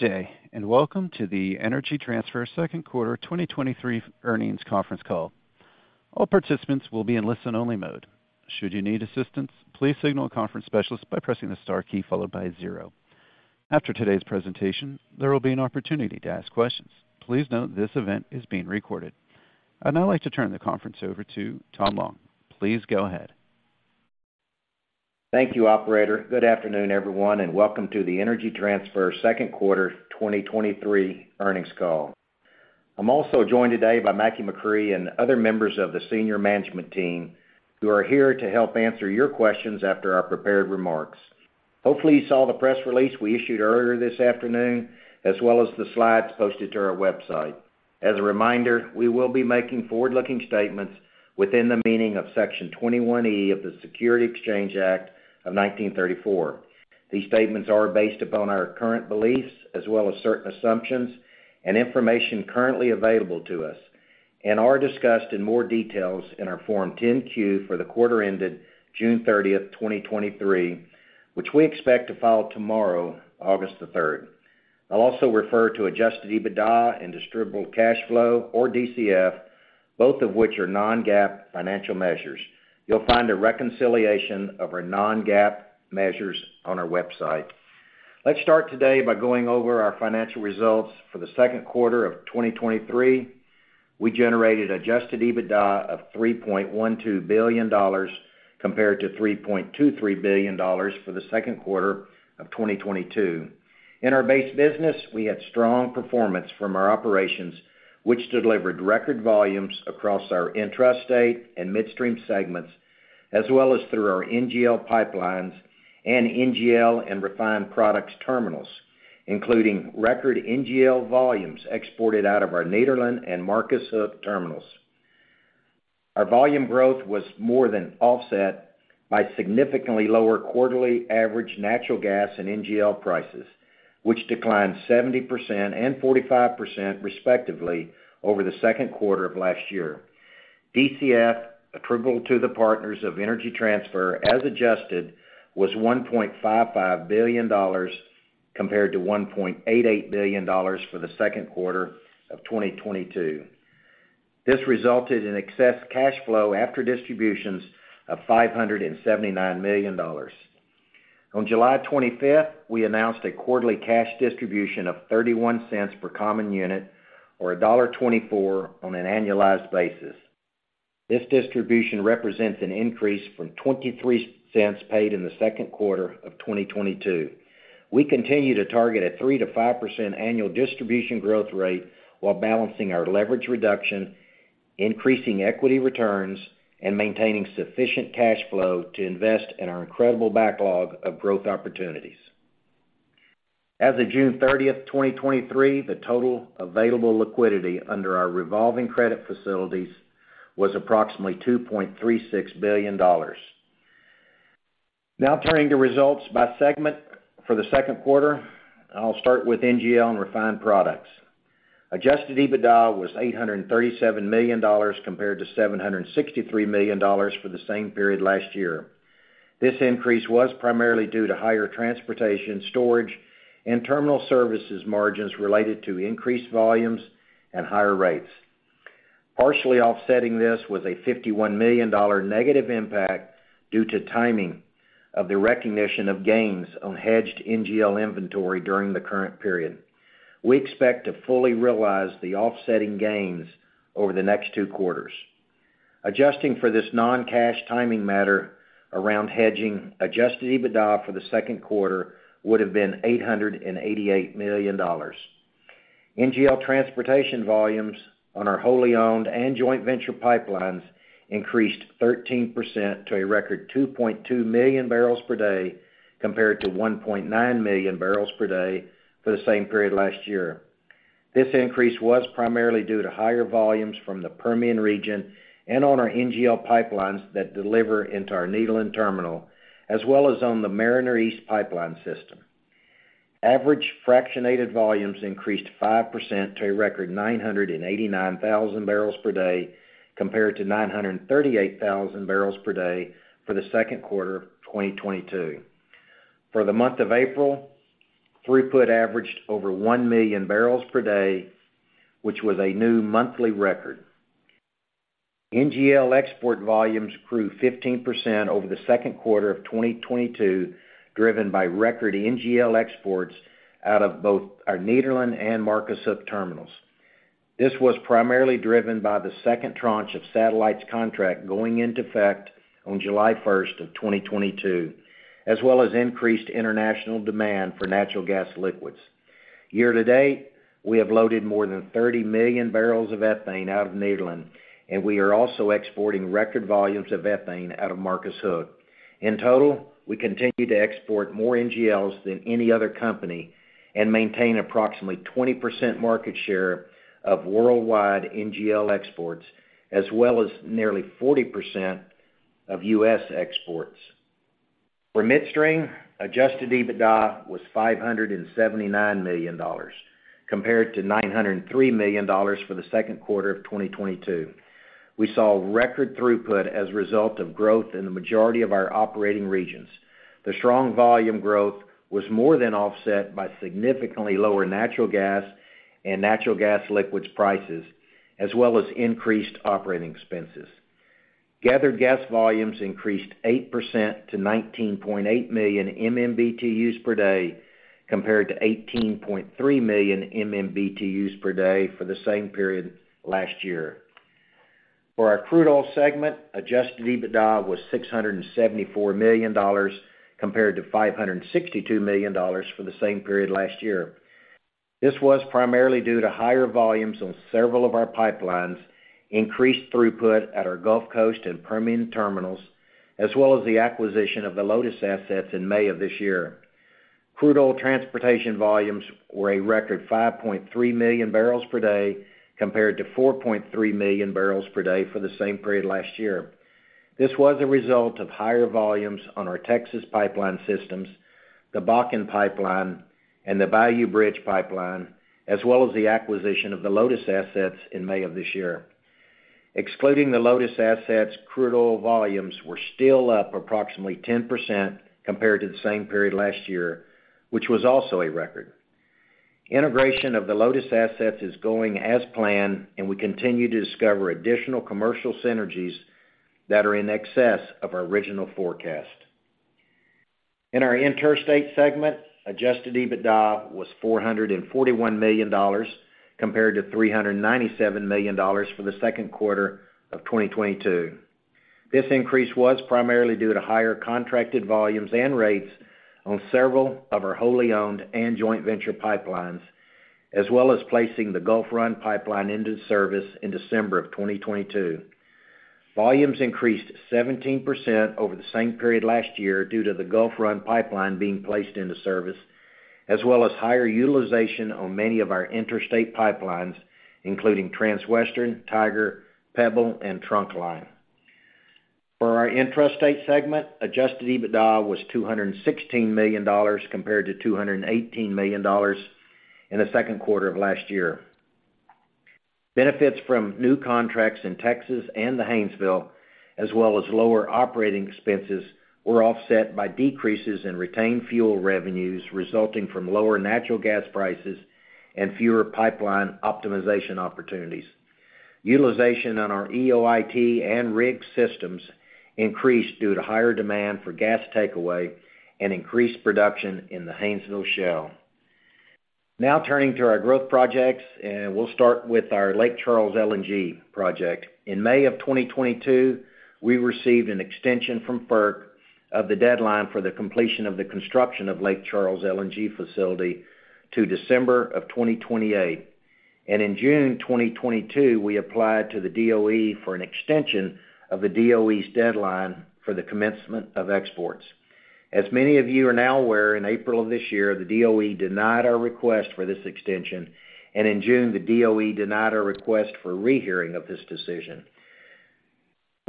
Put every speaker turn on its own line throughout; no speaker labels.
Good day. Welcome to the Energy Transfer Second Quarter 2023 Earnings Conference Call. All participants will be in listen-only mode. Should you need assistance, please signal a conference specialist by pressing the star key followed by zero. After today's presentation, there will be an opportunity to ask questions. Please note this event is being recorded. I'd now like to turn the conference over to Tom Long. Please go ahead.
Thank you, operator. Good afternoon, everyone, and welcome to the Energy Transfer second quarter 2023 earnings call. I'm also joined today by Mackie McCrea and other members of the senior management team, who are here to help answer your questions after our prepared remarks. Hopefully, you saw the press release we issued earlier this afternoon, as well as the slides posted to our website. As a reminder, we will be making forward-looking statements within the meaning of Section 21E of the Securities Exchange Act of 1934. These statements are based upon our current beliefs, as well as certain assumptions and information currently available to us, and are discussed in more details in our Form 10-Q for the quarter ended June 30, 2023, which we expect to file tomorrow, August 3. I'll also refer to adjusted EBITDA and distributable cash flow, or DCF, both of which are non-GAAP financial measures. You'll find a reconciliation of our non-GAAP measures on our website. Let's start today by going over our financial results for the second quarter of 2023. We generated adjusted EBITDA of $3.12 billion, compared to $3.23 billion for the second quarter of 2022. In our base business, we had strong performance from our operations, which delivered record volumes across our intrastate and midstream segments, as well as through our NGL pipelines and NGL and refined products terminals, including record NGL volumes exported out of our Nederland and Marcus Hook terminals. Our volume growth was more than offset by significantly lower quarterly average natural gas and NGL prices, which declined 70% and 45%, respectively, over the second quarter of last year. DCF approval to the partners of Energy Transfer, as adjusted, was $1.55 billion, compared to $1.88 billion for the second quarter of 2022. This resulted in excess cash flow after distributions of $579 million. On July 25th, we announced a quarterly cash distribution of $0.31 per common unit, or $1.24 on an annualized basis. This distribution represents an increase from $0.23 paid in the second quarter of 2022. We continue to target a 3%-5% annual distribution growth rate while balancing our leverage reduction, increasing equity returns, and maintaining sufficient cash flow to invest in our incredible backlog of growth opportunities. As of June 30, 2023, the total available liquidity under our revolving credit facilities was approximately $2.36 billion. Now turning to results by segment for the second quarter, I'll start with NGL and refined products. Adjusted EBITDA was $837 million, compared to $763 million for the same period last year. This increase was primarily due to higher transportation, storage, and terminal services margins related to increased volumes and higher rates. Partially offsetting this was a $51 million negative impact due to timing of the recognition of gains on hedged NGL inventory during the current period. We expect to fully realize the offsetting gains over the next two quarters. Adjusting for this non-cash timing matter around hedging, adjusted EBITDA for the second quarter would have been $888 million. NGL transportation volumes on our wholly owned and joint venture pipelines increased 13% to a record 2.2 million barrels per day, compared to 1.9 million barrels per day for the same period last year. This increase was primarily due to higher volumes from the Permian region and on our NGL pipelines that deliver into our Nederland terminal, as well as on the Mariner East pipeline system. Average fractionated volumes increased 5% to a record 989,000 barrels per day, compared to 938,000 barrels per day for the second quarter of 2022. For the month of April, throughput averaged over 1 million barrels per day, which was a new monthly record. NGL export volumes grew 15% over the second quarter of 2022, driven by record NGL exports out of both our Nederland and Marcus Hook terminals. This was primarily driven by the second tranche of Satellites contract going into effect on July 1st of 2022, as well as increased international demand for natural gas liquids. Year to date, we have loaded more than 30 million barrels of ethane out of Nederland, and we are also exporting record volumes of ethane out of Marcus Hook. In total, we continue to export more NGLs than any other company and maintain approximately 20% market share of worldwide NGL exports, as well as nearly 40% of U.S. exports. For midstream, adjusted EBITDA was $579 million. compared to $903 million for the second quarter of 2022. We saw record throughput as a result of growth in the majority of our operating regions. The strong volume growth was more than offset by significantly lower natural gas and natural gas liquids prices, as well as increased operating expenses. Gathered gas volumes increased 8% to 19.8 million MMBtus per day, compared to 18.3 million MMBtus per day for the same period last year. For our crude oil segment, adjusted EBITDA was $674 million, compared to $562 million for the same period last year. This was primarily due to higher volumes on several of our pipelines, increased throughput at our Gulf Coast and Permian terminals, as well as the acquisition of the Lotus assets in May of this year. Crude oil transportation volumes were a record 5.3 million barrels per day, compared to 4.3 million barrels per day for the same period last year. This was a result of higher volumes on our Texas pipeline systems, the Bakken pipeline, and the Bayou Bridge Pipeline, as well as the acquisition of the Lotus assets in May of this year. Excluding the Lotus assets, crude oil volumes were still up approximately 10% compared to the same period last year, which was also a record. Integration of the Lotus assets is going as planned, and we continue to discover additional commercial synergies that are in excess of our original forecast. In our interstate segment, adjusted EBITDA was $441 million, compared to $397 million for the second quarter of 2022. This increase was primarily due to higher contracted volumes and rates on several of our wholly owned and joint venture pipelines, as well as placing the Gulf Run Pipeline into service in December of 2022. Volumes increased 17% over the same period last year due to the Gulf Run Pipeline being placed into service, as well as higher utilization on many of our interstate pipelines, including Transwestern, Tiger, Pebble, and Trunkline. For our intrastate segment, adjusted EBITDA was $216 million, compared to $218 million in the second quarter of last year. Benefits from new contracts in Texas and the Haynesville, as well as lower operating expenses, were offset by decreases in retained fuel revenues resulting from lower natural gas prices and fewer pipeline optimization opportunities. Utilization on our EOIT and RIGS systems increased due to higher demand for gas takeaway and increased production in the Haynesville Shale. Now turning to our growth projects, we'll start with our Lake Charles LNG project. In May of 2022, we received an extension from FERC of the deadline for the completion of the construction of Lake Charles LNG facility to December of 2028. In June 2022, we applied to the DOE for an extension of the DOE's deadline for the commencement of exports. As many of you are now aware, in April of this year, the DOE denied our request for this extension, in June, the DOE denied our request for rehearing of this decision.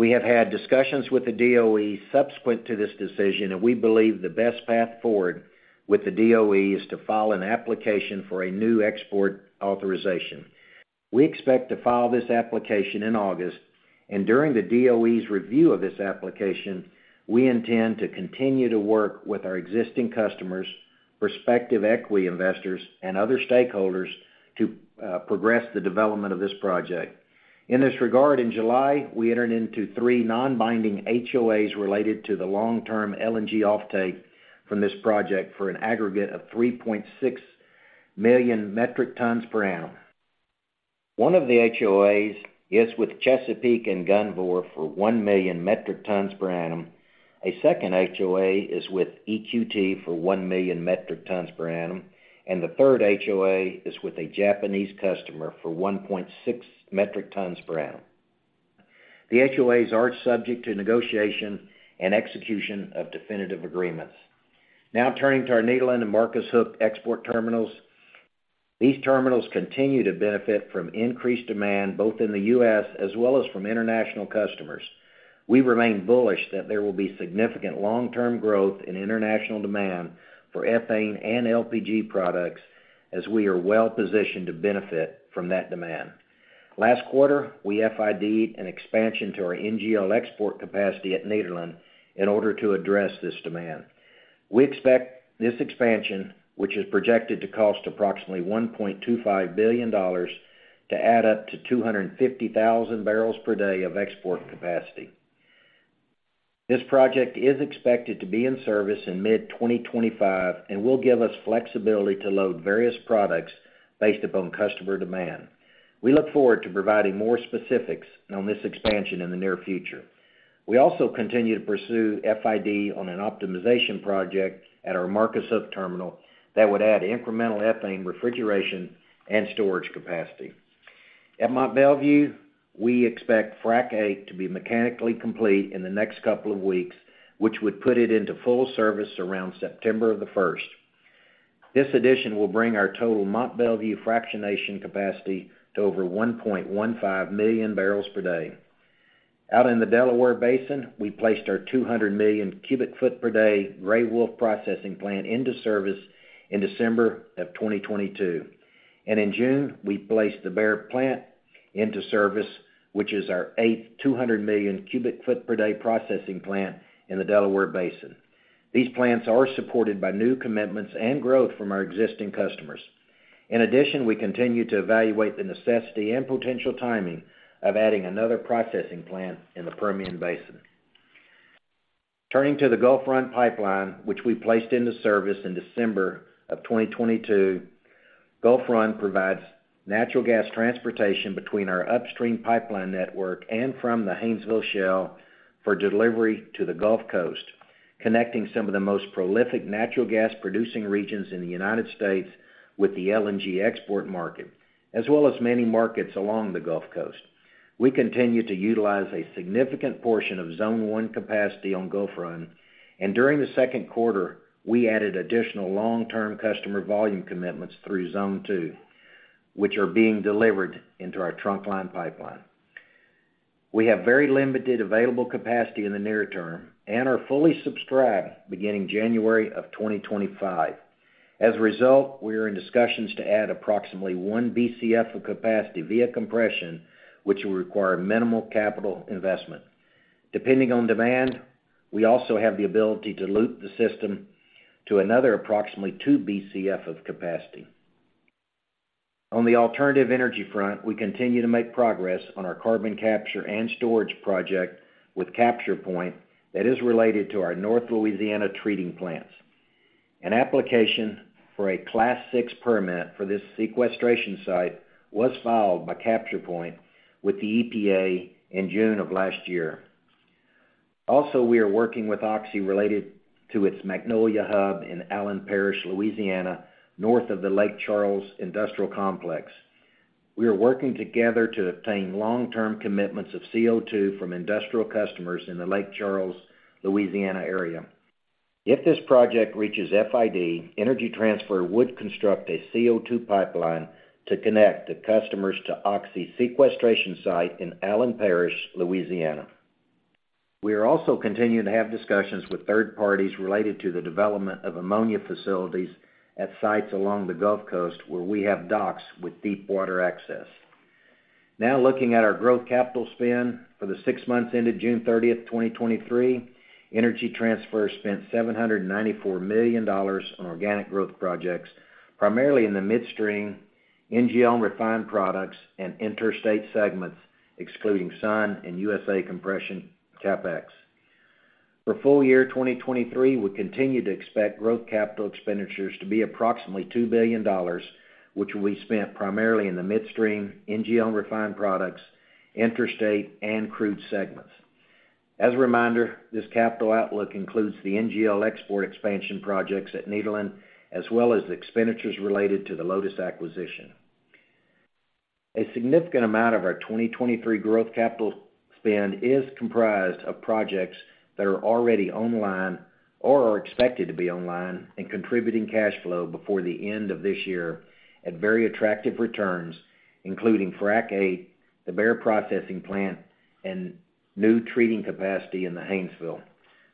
We have had discussions with the DOE subsequent to this decision, and we believe the best path forward with the DOE is to file an application for a new export authorization. We expect to file this application in August, and during the DOE's review of this application, we intend to continue to work with our existing customers, prospective equity investors, and other stakeholders to progress the development of this project. In this regard, in July, we entered into three non-binding HOAs related to the long-term LNG offtake from this project for an aggregate of 3.6 million metric tons per annum. One of the HOAs is with Chesapeake and Gunvor for 1 million metric tons per annum. A second HOA is with EQT for 1 million metric tons per annum, and the third HOA is with a Japanese customer for 1.6 metric tons per annum. The HOAs are subject to negotiation and execution of definitive agreements. Now, turning to our Nederland and Marcus Hook export terminals. These terminals continue to benefit from increased demand, both in the U.S. as well as from international customers. We remain bullish that there will be significant long-term growth in international demand for ethane and LPG products, as we are well-positioned to benefit from that demand. Last quarter, we FID-ed an expansion to our NGL export capacity at Nederland in order to address this demand. We expect this expansion, which is projected to cost approximately $1.25 billion, to add up to 250,000 barrels per day of export capacity. This project is expected to be in service in mid-2025 and will give us flexibility to load various products based upon customer demand. We look forward to providing more specifics on this expansion in the near future. We also continue to pursue FID on an optimization project at our Marcus Hook terminal that would add incremental ethane refrigeration and storage capacity. At Mont Belvieu, we expect Frac VIII to be mechanically complete in the next couple of weeks, which would put it into full service around September 1st. This addition will bring our total Mont Belvieu fractionation capacity to over 1.15 million barrels per day. Out in the Delaware Basin, we placed our 200 million cubic foot per day Gray Wolf processing plant into service in December 2022. In June, we placed the Bear Plant into service, which is our eighth 200 million cubic foot per day processing plant in the Delaware Basin. These plants are supported by new commitments and growth from our existing customers. In addition, we continue to evaluate the necessity and potential timing of adding another processing plant in the Permian Basin. Turning to the Gulf Run Pipeline, which we placed into service in December of 2022, Gulf Run provides natural gas transportation between our upstream pipeline network and from the Haynesville Shale for delivery to the Gulf Coast, connecting some of the most prolific natural gas-producing regions in the United States with the LNG export market, as well as many markets along the Gulf Coast. We continue to utilize a significant portion of Zone 1 capacity on Gulf Run, and during the second quarter, we added additional long-term customer volume commitments through Zone 2, which are being delivered into our Trunkline pipeline. We have very limited available capacity in the near term and are fully subscribed beginning January of 2025. As a result, we are in discussions to add approximately 1 Bcf of capacity via compression, which will require minimal capital investment. Depending on demand, we also have the ability to loop the system to another approximately 2 Bcf of capacity. On the alternative energy front, we continue to make progress on our carbon capture and storage project with CapturePoint that is related to our North Louisiana treating plants. An application for a Class VI permit for this sequestration site was filed by CapturePoint with the EPA in June of last year. Also, we are working with Oxy related to its Magnolia Hub in Allen Parish, Louisiana, north of the Lake Charles Industrial Complex. We are working together to obtain long-term commitments of CO2 from industrial customers in the Lake Charles, Louisiana, area. If this project reaches FID, Energy Transfer would construct a CO2 pipeline to connect the customers to Oxy's sequestration site in Allen Parish, Louisiana. We are also continuing to have discussions with third parties related to the development of ammonia facilities at sites along the Gulf Coast, where we have docks with deep water access. Looking at our growth capital spend for the six months ended June 30, 2023, Energy Transfer spent $794 million on organic growth projects, primarily in the midstream, NGL refined products, and interstate segments, excluding Sun and USA Compression CapEx. For full year 2023, we continue to expect growth capital expenditures to be approximately $2 billion, which will be spent primarily in the midstream, NGL refined products, interstate, and crude segments. As a reminder, this capital outlook includes the NGL export expansion projects at Nederland, as well as the expenditures related to the Lotus acquisition. A significant amount of our 2023 growth capital spend is comprised of projects that are already online or are expected to be online and contributing cash flow before the end of this year at very attractive returns, including Frac VIII, the Bear Processing Plant, and new treating capacity in the Haynesville.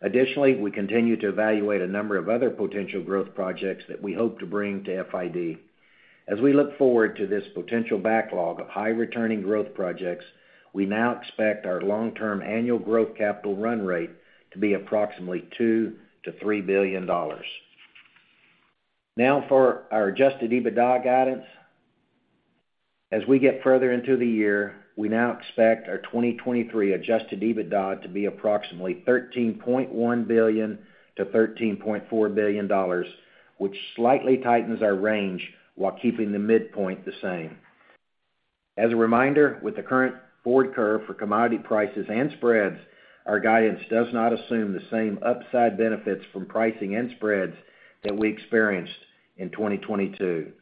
Additionally, we continue to evaluate a number of other potential growth projects that we hope to bring to FID. As we look forward to this potential backlog of high-returning growth projects, we now expect our long-term annual growth capital run rate to be approximately $2 billion-$3 billion. Now for our adjusted EBITDA guidance. As we get further into the year, we now expect our 2023 adjusted EBITDA to be approximately $13.1 billion-$13.4 billion, which slightly tightens our range while keeping the midpoint the same. As a reminder, with the current forward curve for commodity prices and spreads, our guidance does not assume the same upside benefits from pricing and spreads that we experienced in 2022.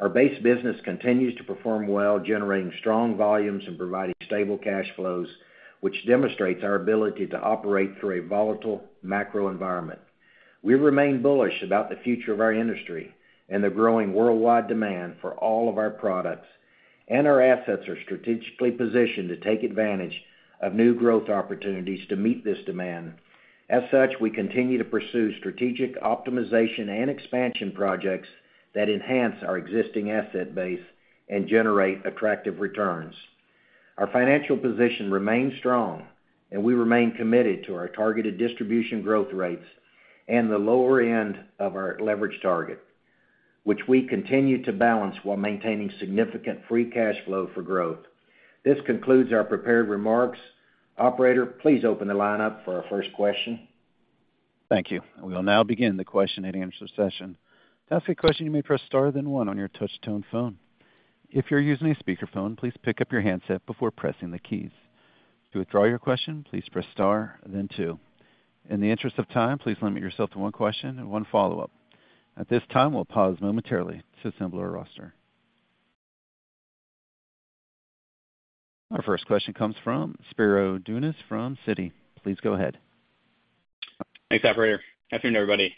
Our base business continues to perform well, generating strong volumes and providing stable cash flows, which demonstrates our ability to operate through a volatile macro environment. We remain bullish about the future of our industry and the growing worldwide demand for all of our products, and our assets are strategically positioned to take advantage of new growth opportunities to meet this demand. As such, we continue to pursue strategic optimization and expansion projects that enhance our existing asset base and generate attractive returns. Our financial position remains strong, and we remain committed to our targeted distribution growth rates and the lower end of our leverage target, which we continue to balance while maintaining significant free cash flow for growth. This concludes our prepared remarks. Operator, please open the line up for our first question.
Thank you. We will now begin the Q&A session. To ask a question, you may press star, then one on your touch-tone phone. If you're using a speakerphone, please pick up your handset before pressing the keys. To withdraw your question, please press star, then two. In the interest of time, please limit yourself to one question and one follow-up. At this time, we'll pause momentarily to assemble our roster. Our first question comes from Spiro Dounis from Citi. Please go ahead.
Thanks, operator. Afternoon, everybody.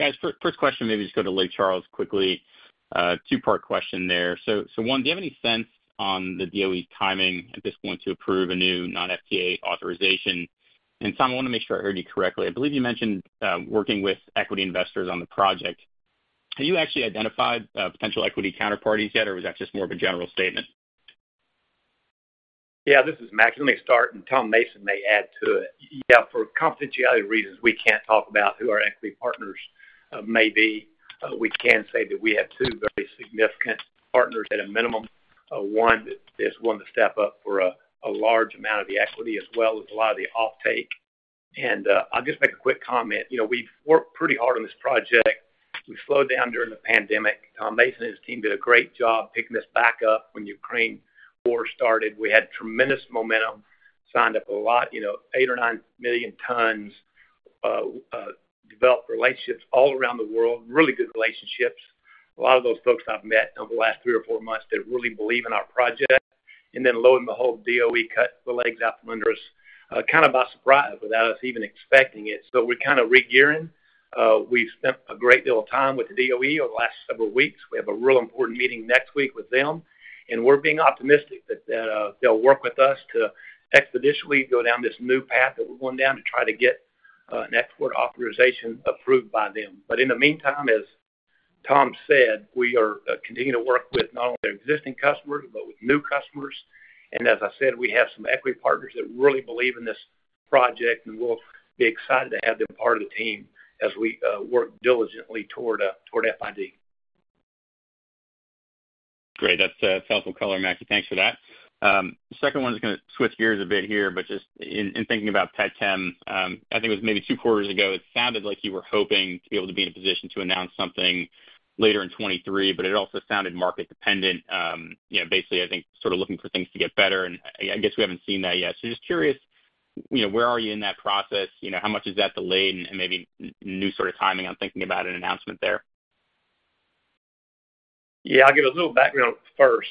guys, first question, maybe just go to Lake Charles quickly. Two-part question there. One, do you have any sense on the DOE's timing at this point to approve a new non-FTA authorization? Tom, I wanna make sure I heard you correctly. I believe you mentioned working with equity investors on the project. Have you actually identified potential equity counterparties yet, or was that just more of a general statement?
Yeah, this is Mackie. Let me start. Tom Mason may add to it. Yeah, for confidentiality reasons, we can't talk about who our equity partners may be. We can say that we have two very significant partners at a minimum. One is one to step up for a large amount of the equity as well as a lot of the offtake. I'll just make a quick comment. You know, we've worked pretty hard on this project. We slowed down during the pandemic. Mason and his team did a great job picking this back up when Ukraine war started. We had tremendous momentum, signed up a lot, you know, eight or nine million tons, developed relationships all around the world, really good relationships. A lot of those folks I've met over the last three or four months, they really believe in our project. Lo and behold, DOE cut the legs out from under us, kind of by surprise, without us even expecting it. We're kind of regearing. We've spent a great deal of time with the DOE over the last several weeks. We have a real important meeting next week with them, and we're being optimistic that they'll work with us to expeditiously go down this new path that we're going down to try to get an export authorization approved by them. In the meantime, as Tom said, we are continuing to work with not only existing customers, but with new customers. As I said, we have some equity partners that really believe in this project, and we'll be excited to have them part of the team as we work diligently toward toward FID.
Great. That's helpful color, Mackie. Thanks for that. Second one is gonna switch gears a bit here, but just in, in thinking about petchem, I think it was maybe two quarters ago, it sounded like you were hoping to be able to be in a position to announce something later in 2023, but it also sounded market dependent. You know, basically, I think sort of looking for things to get better, and I, I guess we haven't seen that yet. Just curious, you know, where are you in that process? You know, how much is that delayed? And maybe new sort of timing on thinking about an announcement there.
Yeah, I'll give a little background first.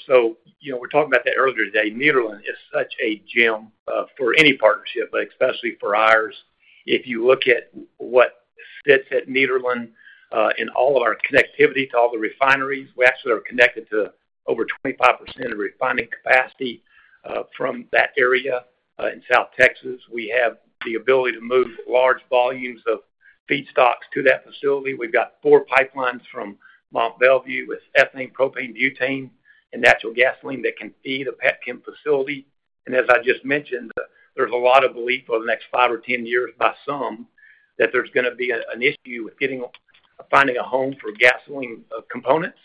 You know, we're talking about that earlier today, Nederland is such a gem for any partnership, but especially for ours. If you look at what sits at Nederland, and all of our connectivity to all the refineries, we actually are connected to over 25% of refining capacity from that area in South Texas. We have the ability to move large volumes of feedstocks to that facility. We've got four pipelines from Mont Belvieu with ethane, propane, butane, and natural gasoline that can feed a petchem facility. As I just mentioned, there's a lot of belief over the next five or 10 years by some, that there's gonna be an issue with getting, finding a home for gasoline components,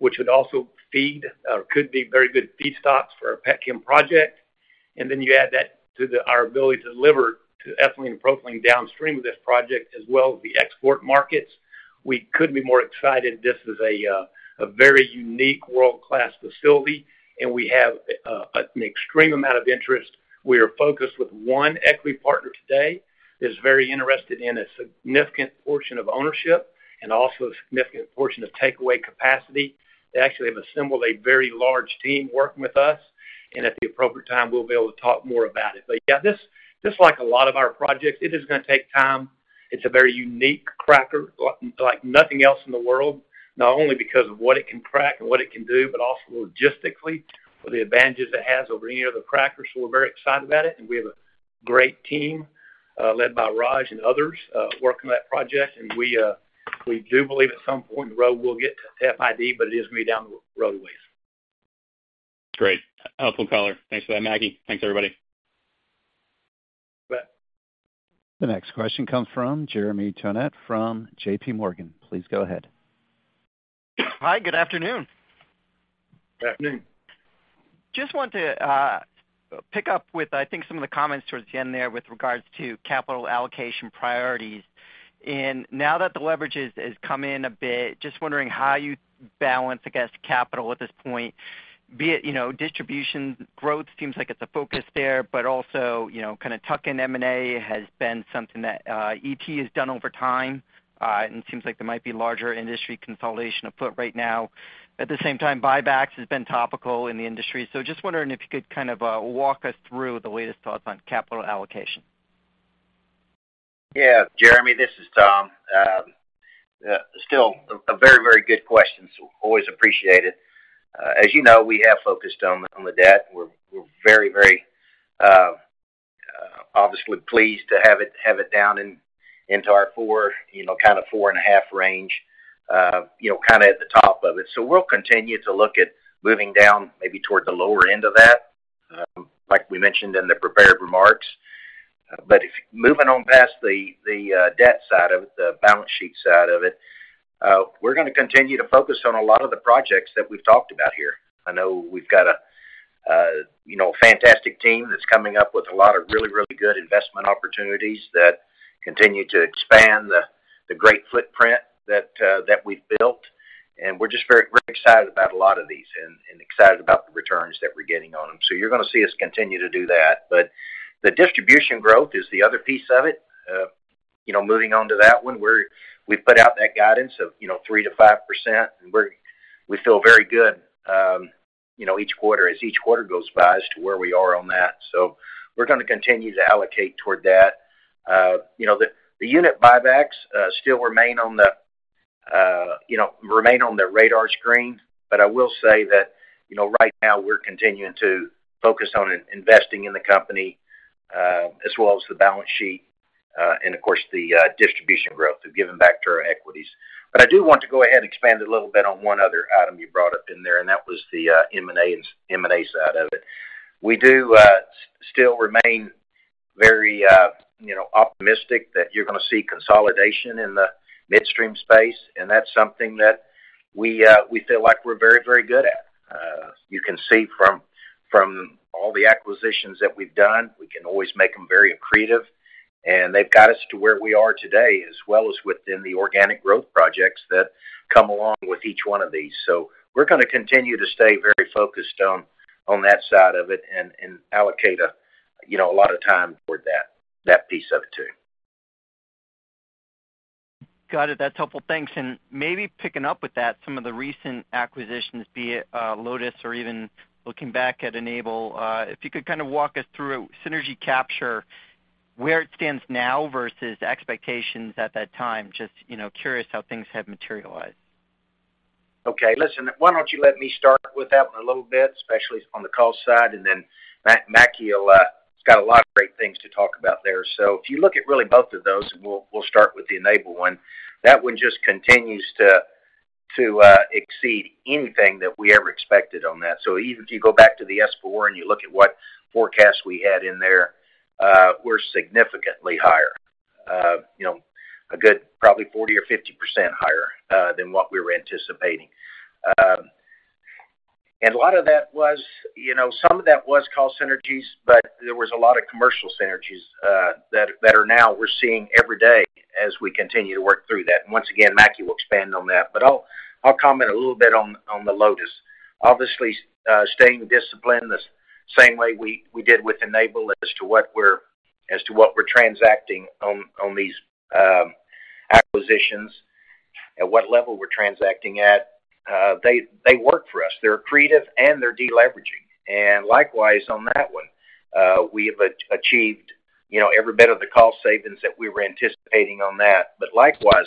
which would also feed, could be very good feedstocks for our petchem project. Then you add that to our ability to deliver to ethylene and propylene downstream of this project, as well as the export markets. We couldn't be more excited. This is a very unique world-class facility, and we have an extreme amount of interest. We are focused with one equity partner today, that's very interested in a significant portion of ownership and also a significant portion of takeaway capacity. They actually have assembled a very large team working with us, and at the appropriate time, we'll be able to talk more about it. Yeah, this, this, like a lot of our projects, it is gonna take time. It's a very unique cracker, like nothing else in the world, not only because of what it can crack and what it can do, but also logistically, for the advantages it has over any other cracker. We're very excited about it, and we have a great team, led by Raj and others, working on that project. And we, we do believe at some point in the road, we'll get to FID, but it is gonna be down the road a ways.
Great. Helpful color. Thanks for that, Mackie. Thanks, everybody.
You bet.
The next question comes from Jeremy Tonet from JPMorgan. Please go ahead.
Hi, good afternoon.
Good afternoon.
Just wanted to, pick up with, I think, some of the comments towards the end there with regards to capital allocation priorities. And now that the leverage has, has come in a bit, just wondering how you balance against capital at this point, be it, you know, distribution growth seems like it's a focus there, but also, you know, kind of tuck-in M&A has been something that, ET has done over time, and it seems like there might be larger industry consolidation afoot right now. At the same time, buybacks has been topical in the industry, so just wondering if you could kind of, walk us through the latest thoughts on capital allocation.
Yeah, Jeremy, this is Tom. Still a very, very good question, so always appreciate it. As you know, we have focused on, on the debt. We're, we're very, very, obviously pleased to have it, have it down in, into our 4.5 range. You know, kind of at the top of it. We'll continue to look at moving down maybe toward the lower end of that, like we mentioned in the prepared remarks. Moving on past the, the, debt side of it, the balance sheet side of it, we're gonna continue to focus on a lot of the projects that we've talked about here. I know we've got a, you know, fantastic team that's coming up with a lot of really, really good investment opportunities that continue to expand the, the great footprint that we've built. We're just very excited about a lot of these and, and excited about the returns that we're getting on them. You're gonna see us continue to do that. The distribution growth is the other piece of it. You know, moving on to that one, we put out that guidance of, you know, 3%-5%. We feel very good, you know, each quarter as each quarter goes by as to where we are on that. We're gonna continue to allocate toward that. You know, the, the unit buybacks still remain on the, you know, remain on the radar screen, but I will say that, you know, right now, we're continuing to focus on investing in the company, as well as the balance sheet, and of course, the distribution growth of giving back to our equities. I do want to go ahead and expand a little bit on one other item you brought up in there, and that was the M&A, M&A side of it. We do still remain very, you know, optimistic that you're gonna see consolidation in the midstream space, and that's something that we feel like we're very, very good at. You can see from all the acquisitions that we've done, we can always make them very accretive, and they've got us to where we are today, as well as within the organic growth projects that come along with each one of these. We're gonna continue to stay very focused on that side of it and allocate, you know, a lot of time toward that, that piece of it, too.
Got it. That's helpful. Thanks. Maybe picking up with that, some of the recent acquisitions, be it, Lotus or even looking back at Enable, if you could kind of walk us through synergy capture, where it stands now versus expectations at that time. Just, you know, curious how things have materialized.
Listen, why don't you let me start with that one a little bit, especially on the cost side, and then Mackie will, he's got a lot of great things to talk about there. If you look at really both of those, and we'll, we'll start with the Enable one, that one just continues to, to exceed anything that we ever expected on that. Even if you go back to the S4 and you look at what forecast we had in there, we're significantly higher. You know, a good probably 40% or 50% higher than what we were anticipating. And a lot of that was, you know, some of that was cost synergies, but there was a lot of commercial synergies that are now we're seeing every day as we continue to work through that. Once again, Mackie will expand on that. I'll, I'll comment a little bit on, on the Lotus. Obviously, staying disciplined the same way we, we did with Enable as to what we're transacting on, on these acquisitions and what level we're transacting at, they, they work for us. They're accretive, and they're deleveraging. Likewise, on that one, we have achieved, you know, every bit of the cost savings that we were anticipating on that. Likewise,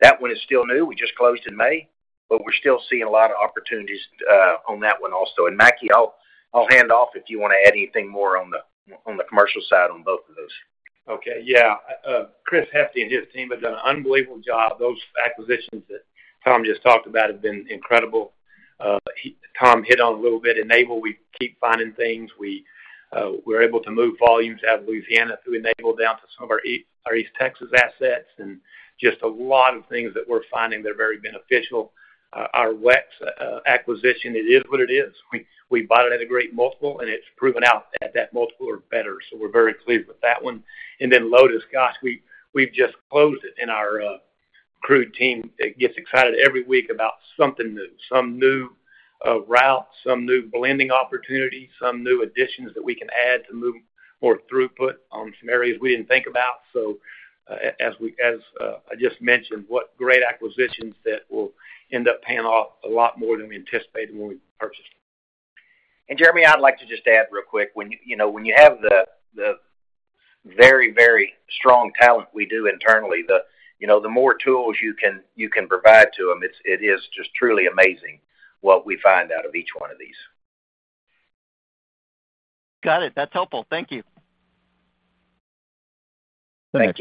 that one is still new. We just closed in May, but we're still seeing a lot of opportunities on that one also. Mackie, I'll, I'll hand off if you want to add anything more on the, on the commercial side on both of those.
Okay, yeah. Chris Hefty and his team have done an unbelievable job. Those acquisitions that Tom just talked about have been incredible. Tom hit on a little bit Enable. We keep finding things. We're able to move volumes out of Louisiana through Enable down to some of our East Texas assets, just a lot of things that we're finding that are very beneficial. Our WEX acquisition, it is what it is. We, we bought it at a great multiple, and it's proven out at that multiple or better, we're very pleased with that one. Then Lotus, gosh, we, we've just closed it, and our crude team gets excited every week about something new, some new route, some new blending opportunity, some new additions that we can add to move more throughput on some areas we didn't think about. So, as I just mentioned, what great acquisitions that will end up paying off a lot more than we anticipated when we purchased them.
Jeremy, I'd like to just add real quick. When, you know, when you have the, the very, very strong talent we do internally, the, you know, the more tools you can, you can provide to them, it's, it is just truly amazing what we find out of each one of these.
Got it. That's helpful. Thank you.
Thank you.
The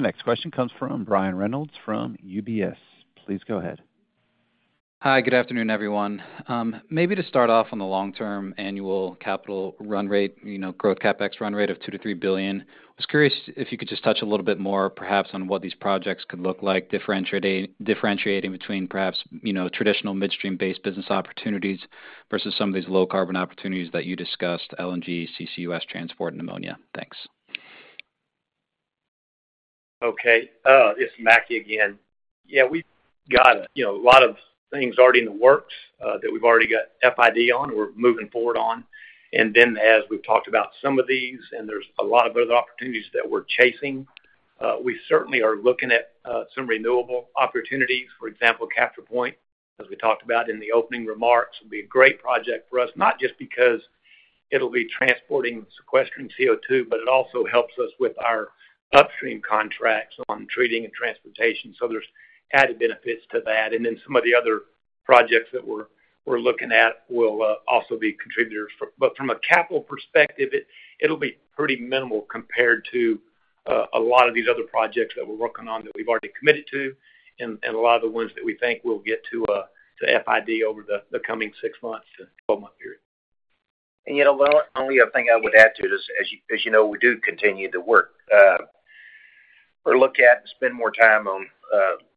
next question comes from Brian Reynolds, from UBS. Please go ahead.
Hi, good afternoon, everyone. Maybe to start off on the long-term annual capital run rate, you know, growth CapEx run rate of $2 billion-$3 billion. I was curious if you could just touch a little bit more, perhaps, on what these projects could look like, differentiating between perhaps, you know, traditional midstream-based business opportunities versus some of these low-carbon opportunities that you discussed, LNG, CCUS, transport, and ammonia. Thanks.
Okay, it's Mackie again. We've got, you know, a lot of things already in the works that we've already got FID on, we're moving forward on. Then, as we've talked about some of these, and there's a lot of other opportunities that we're chasing, we certainly are looking at some renewable opportunities. For example, CapturePoint LLC, as we talked about in the opening remarks, will be a great project for us, not just because it'll be transporting sequestered CO2, it also helps us with our upstream contracts on treating and transportation, there's added benefits to that. Then some of the other projects that we're, we're looking at will also be contributors. From a capital perspective, it'll be pretty minimal compared to a lot of these other projects that we're working on, that we've already committed to, and a lot of the ones that we think we'll get to to FID over the coming six months to 12-month period.
You know, the only other thing I would add to this, as you, as you know, we do continue to work. We'll look at and spend more time on,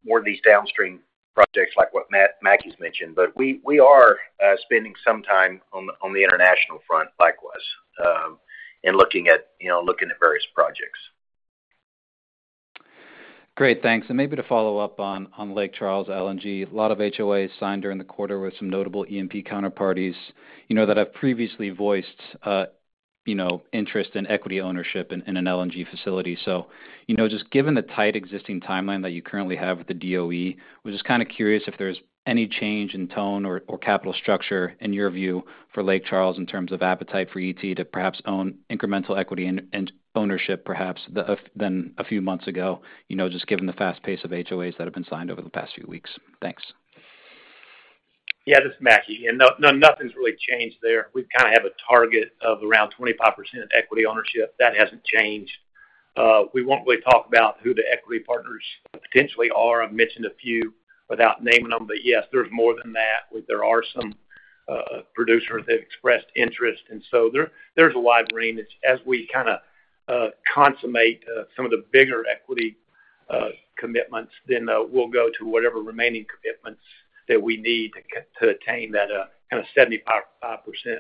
more of these downstream projects, like what Mackie's mentioned, but we, we are spending some time on, on the international front, likewise, and looking at, you know, looking at various projects.
Great. Thanks. Maybe to follow up on, on Lake Charles LNG, a lot of HOAs signed during the quarter with some notable E&P counterparties. You know that I've previously voiced, you know, interest in equity ownership in, in an LNG facility. You know, just given the tight existing timeline that you currently have with the DOE, we're just kind of curious if there's any change in tone or, or capital structure in your view for Lake Charles, in terms of appetite for ET to perhaps own incremental equity and, and ownership perhaps, than a few months ago, you know, just given the fast pace of HOAs that have been signed over the past few weeks. Thanks.
Yeah, this is Mackie, and no, nothing's really changed there. We have a target of around 25% equity ownership. That hasn't changed. We won't really talk about who the equity partners potentially are. I've mentioned a few without naming them, but yes, there's more than that. There are some producers that expressed interest, and so there's a wide range. As we consummate some of the bigger equity commitments, then we'll go to whatever remaining commitments that we need to get to attain that kind of 75%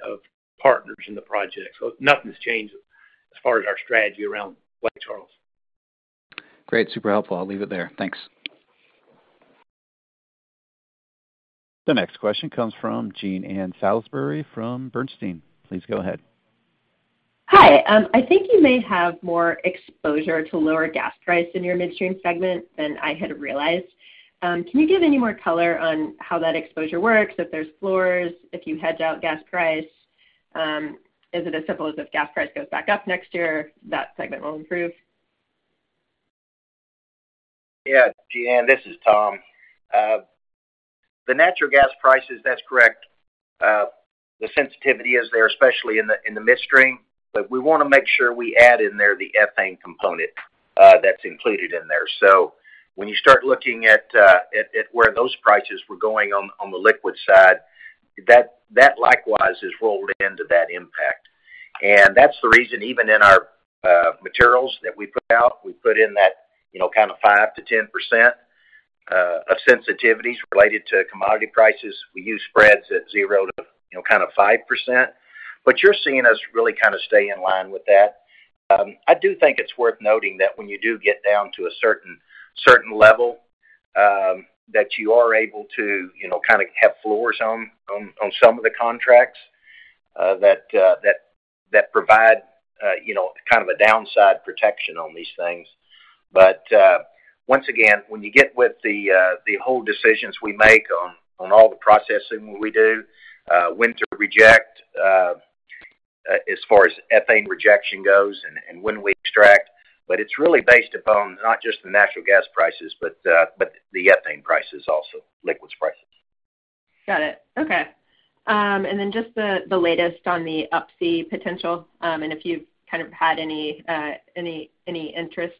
of partners in the project. Nothing's changed as far as our strategy around Lake Charles.
Great, super helpful. I'll leave it there. Thanks.
The next question comes from Jean Ann Salisbury from Bernstein. Please go ahead.
Hi, I think you may have more exposure to lower gas price in your midstream segment than I had realized. Can you give any more color on how that exposure works, if there's floors, if you hedge out gas price? Is it as simple as if gas price goes back up next year, that segment will improve?
Yeah, Jeanne, this is Tom. The natural gas prices, that's correct. The sensitivity is there, especially in the midstream, but we wanna make sure we add in there the ethane component, that's included in there. When you start looking at where those prices were going on the liquid side, likewise is rolled into that impact. That's the reason, even in our materials that we put out, we put in that, you know, kind of 5%-10% of sensitivities related to commodity prices. We use spreads at 0% to, you know, kind of 5%. You're seeing us really kind of stay in line with that. I do think it's worth noting that when you do get down to a certain, certain level, that you are able to, you know, kind of have floors on, on, on some of the contracts that, that provide, you know, kind of a downside protection on these things. Once again, when you get with the whole decisions we make on, on all the processing we do, when to reject, as far as ethane rejection goes and, and when we extract. It's really based upon not just the natural gas prices, but the ethane prices also, liquids prices.
Got it. Okay. Then just the, the latest on the Up-C potential, and if you've kind of had any, any, any interest,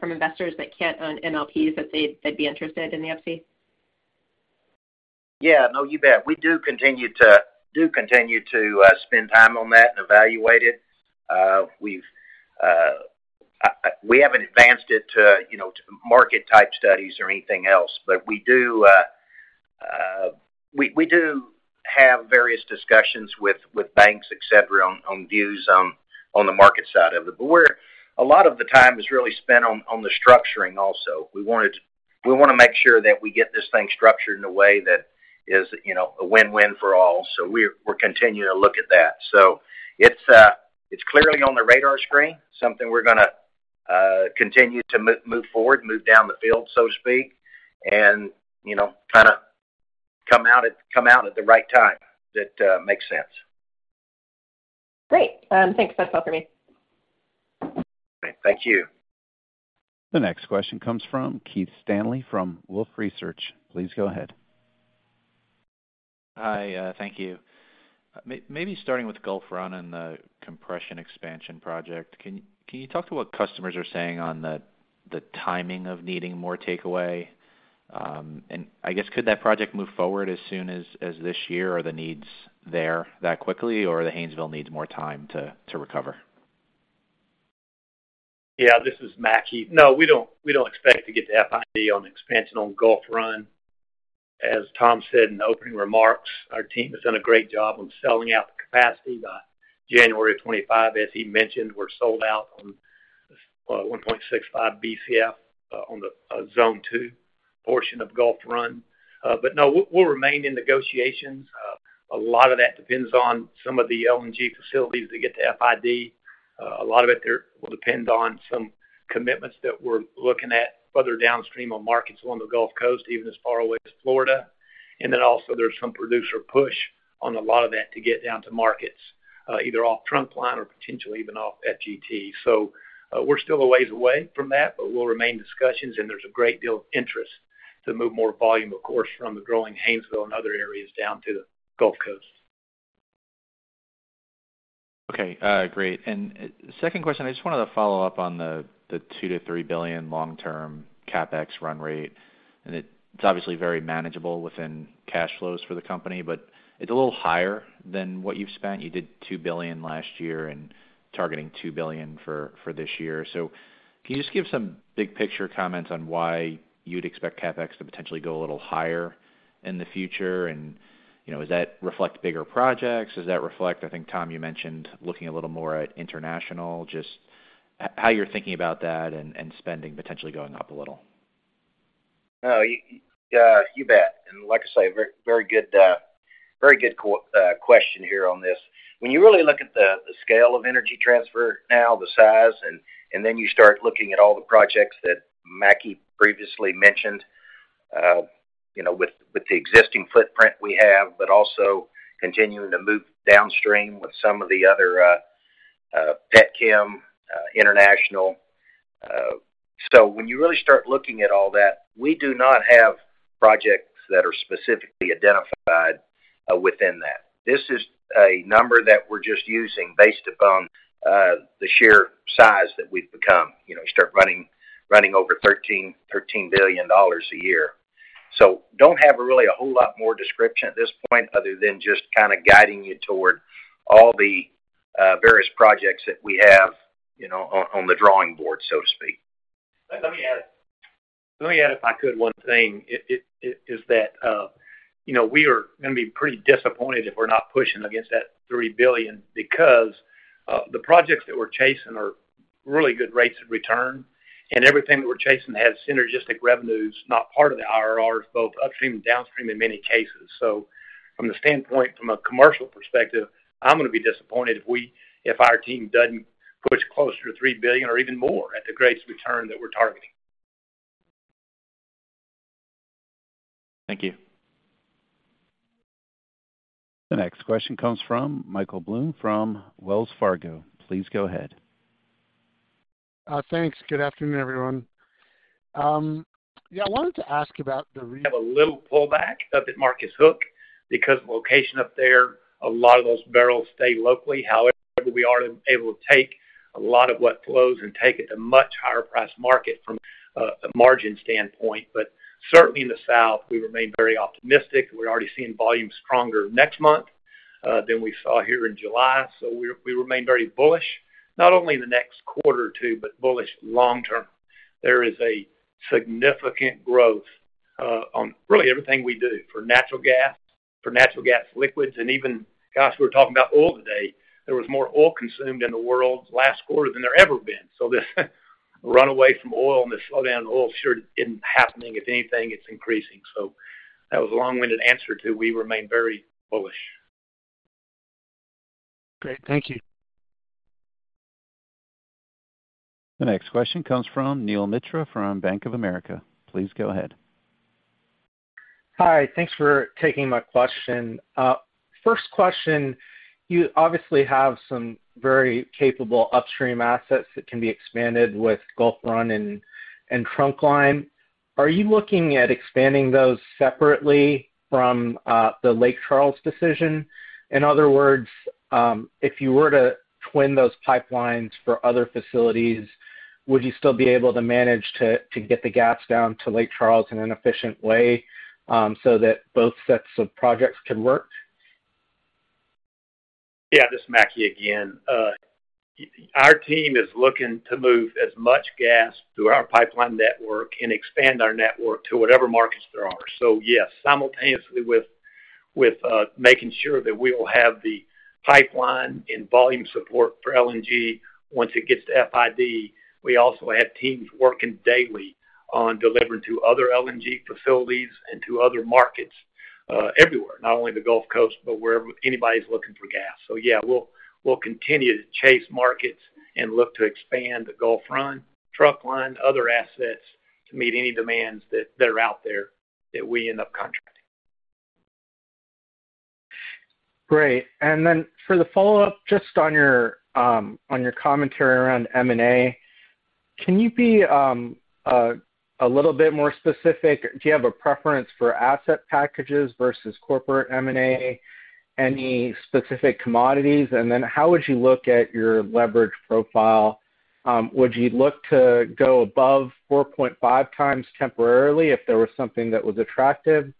from investors that can't own MLPs, that they'd, they'd be interested in the Up-C?
Yeah. No, you bet. We do continue to spend time on that and evaluate it. We've, we haven't advanced it to, you know, to market-type studies or anything else, but we do, we do have various discussions with, with banks, et cetera, on, on views on, on the market side of it. A lot of the time is really spent on, on the structuring also. We wanna make sure that we get this thing structured in a way that is, you know, a win-win for all. We're, we're continuing to look at that. It's, it's clearly on the radar screen, something we're gonna continue to move forward, move down the field, so to speak, and, you know, kind of come out at, come out at the right time. That makes sense.
Great! thanks. That's all for me.
Thank you.
The next question comes from Keith Stanley, from Wolfe Research. Please go ahead.
Hi, thank you. Maybe starting with Gulf Run and the compression expansion project, can, can you talk to what customers are saying on the, the timing of needing more takeaway? I guess, could that project move forward as soon as, as this year, are the needs there that quickly, or the Haynesville needs more time to, to recover?
Yeah, this is Mackie. No, we don't, we don't expect to get to FID on expansion on Gulf Run. As Tom said in the opening remarks, our team has done a great job on selling out the capacity. By January of 25, as he mentioned, we're sold out on 1.65 Bcf on the Zone 2 portion of Gulf Run. No, we'll, we'll remain in negotiations. A lot of that depends on some of the LNG facilities that get to FID. A lot of it there will depend on some commitments that we're looking at further downstream on markets along the Gulf Coast, even as far away as Florida. Then also there's some producer push on a lot of that to get down to markets, either off Trunkline or potentially even off FGT. We're still a ways away from that, but we'll remain in discussions, and there's a great deal of interest to move more volume, of course, from the growing Haynesville and other areas down to the Gulf Coast.
Okay, great. Second question, I just wanted to follow up on the, the $2 billion-$3 billion long-term CapEx run rate, and it's obviously very manageable within cash flows for the company, but it's a little higher than what you've spent. You did $2 billion last year and targeting $2 billion for, for this year. Can you just give some big picture comments on why you'd expect CapEx to potentially go a little higher in the future? You know, does that reflect bigger projects? Does that reflect. I think, Tom, you mentioned looking a little more at international, just how you're thinking about that and, and spending potentially going up a little?
No, you, you bet. Like I say, very, very good, very good question here on this. When you really look at the, the scale of Energy Transfer now, the size, and then you start looking at all the projects that Mackie previously mentioned, you know, with, with the existing footprint we have, but also continuing to move downstream with some of the other, petchem, international. When you really start looking at all that, we do not have projects that are specifically identified within that. This is a number that we're just using based upon the sheer size that we've become. You know, start running, running over $13 billion a year. Don't have really a whole lot more description at this point, other than just kind of guiding you toward all the various projects that we have, you know, on, on the drawing board, so to speak.
Let me add, let me add, if I could, one thing. It, it, it is that, you know, we are going to be pretty disappointed if we're not pushing against that $3 billion, because the projects that we're chasing are really good rates of return, and everything that we're chasing has synergistic revenues, not part of the IRRs, both upstream and downstream, in many cases. From the standpoint, from a commercial perspective, I'm going to be disappointed if our team doesn't push closer to $3 billion or even more at the rates of return that we're targeting. Thank you.
The next question comes from Michael Blum, from Wells Fargo. Please go ahead.
Thanks. Good afternoon, everyone. I wanted to ask about the re.
Have a little pullback up at Marcus Hook, because the location up there, a lot of those barrels stay locally. We are able to take a lot of what flows and take it to much higher priced market from a, a margin standpoint. Certainly in the South, we remain very optimistic. We're already seeing volume stronger next month than we saw here in July. We, we remain very bullish, not only in the next quarter or two, but bullish long term. There is a significant growth on really everything we do for natural gas, for natural gas liquids, and even, gosh, we're talking about oil today. There was more oil consumed in the world last quarter than there ever been. This runaway from oil and the slowdown in oil sure isn't happening. If anything, it's increasing. That was a long-winded answer to, we remain very bullish.
Great. Thank you.
The next question comes from Neel Mitra, from Bank of America. Please go ahead.
Hi. Thanks for taking my question. First question, you obviously have some very capable upstream assets that can be expanded with Gulf Run and Trunkline. Are you looking at expanding those separately from the Lake Charles decision? In other words, if you were to twin those pipelines for other facilities, would you still be able to manage to get the gas down to Lake Charles in an efficient way, so that both sets of projects can work?
Yeah, this is Mackie again. Our team is looking to move as much gas through our pipeline network and expand our network to whatever markets there are. Yes, simultaneously with, with making sure that we will have the pipeline and volume support for LNG once it gets to FID. We also have teams working daily on delivering to other LNG facilities and to other markets everywhere, not only the Gulf Coast, but wherever anybody's looking for gas. Yeah, we'll, we'll continue to chase markets and look to expand the Gulf Run, Trunkline, other assets to meet any demands that, that are out there that we end up contracting.
Great. Then for the follow-up, just on your, on your commentary around M&A, can you be a little bit more specific? Do you have a preference for asset packages versus corporate M&A? Any specific commodities? Then how would you look at your leverage profile? Would you look to go above 4.5 times temporarily if there was something that was attractive,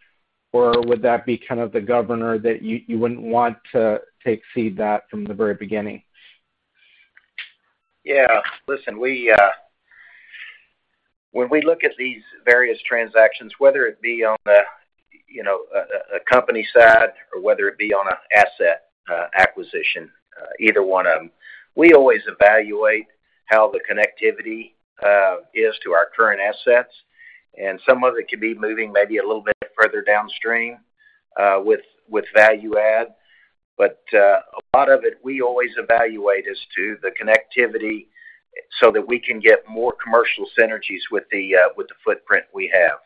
or would that be kind of the governor that you, you wouldn't want to exceed that from the very beginning?
Yeah. Listen, we, when we look at these various transactions, whether it be on the, you know, a, a company side or whether it be on a asset, acquisition, either one of them, we always evaluate how the connectivity, is to our current assets, and some of it could be moving maybe a little bit further downstream, with, with value add. But, a lot of it, we always evaluate as to the connectivity so that we can get more commercial synergies with the, with the footprint we have.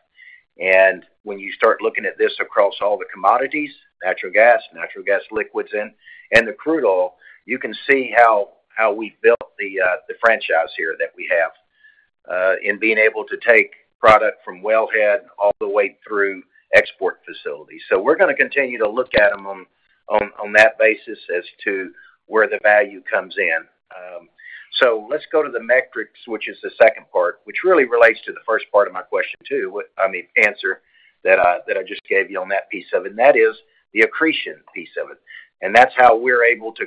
And when you start looking at this across all the commodities, natural gas, natural gas liquids, and, and the crude oil, you can see how, how we built the, the franchise here that we have, in being able to take product from wellhead all the way through export facilities. We're going to continue to look at them on, on, on that basis as to where the value comes in. Let's go to the metrics, which is the second part, which really relates to the first part of my question, too. I mean, answer that I, that I just gave you on that piece of it, and that is the accretion piece of it. That's how we're able to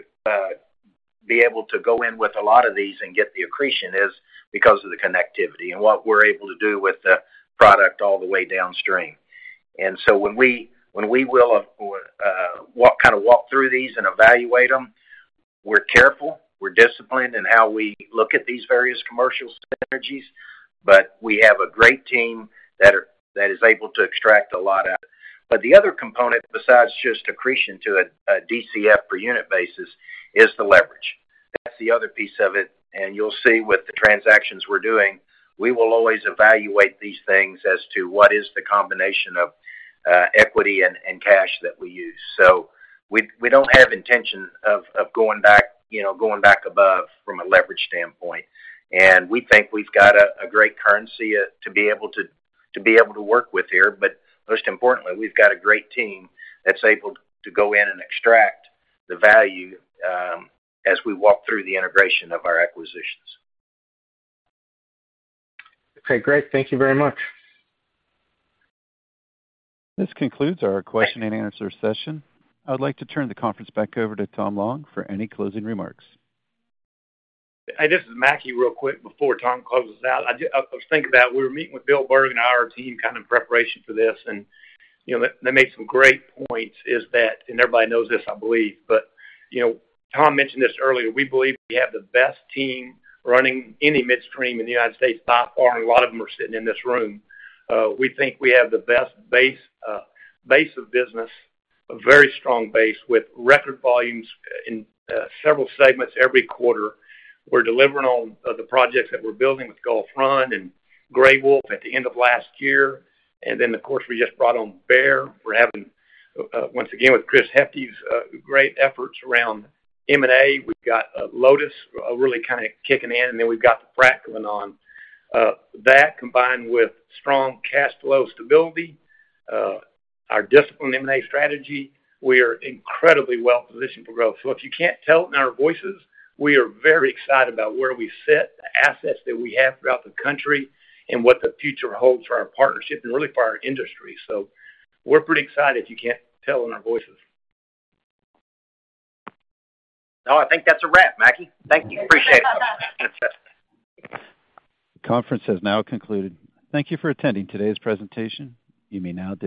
be able to go in with a lot of these and get the accretion is because of the connectivity and what we're able to do with the product all the way downstream. When we will walk through these and evaluate them, we're careful, we're disciplined in how we look at these various commercial synergies, but we have a great team that is able to extract a lot out. The other component, besides just accretion to a DCF per unit basis, is the leverage. That's the other piece of it, and you'll see with the transactions we're doing, we will always evaluate these things as to what is the combination of equity and cash that we use. We, we don't have intention of going back, you know, going back above from a leverage standpoint. We think we've got a great currency to be able to work with here. Most importantly, we've got a great team that's able to go in and extract the value, as we walk through the integration of our acquisitions. Okay, great. Thank you very much.
This concludes our Q&A session. I would like to turn the conference back over to Tom Long for any closing remarks.
Hey, this is Mackie, real quick, before Tom closes out. I was thinking about it. We were meeting with Bill Bergen and our team kind of in preparation for this, you know, they, they made some great points, is that, and everybody knows this, I believe, but, you know, Tom mentioned this earlier: we believe we have the best team running any midstream in the United States by far, and a lot of them are sitting in this room. We think we have the best base, base of business, a very strong base, with record volumes in several segments every quarter. We're delivering on the projects that we're building with Gulf Front and Gray Wolf at the end of last year. Then, of course, we just brought on Bear. We're having once again with Chris Hefty's great efforts around M&A. We've got Lotus really kind of kicking in, and then we've got the Frac going on. That, combined with strong cash flow stability, our disciplined M&A strategy, we are incredibly well positioned for growth. If you can't tell in our voices, we are very excited about where we sit, the assets that we have throughout the country, and what the future holds for our partnership and really for our industry. We're pretty excited, if you can't tell in our voices. No, I think that's a wrap, Mackie. Thank you. Appreciate it.
The conference has now concluded. Thank you for attending today's presentation. You may now disconnect.